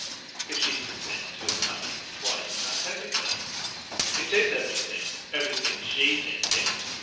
"If she consents to your coming why isn't that everything?" "It IS everything; everything SHE thinks it.